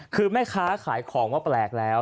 คือแม่ค้าขายของว่าแปลกแล้ว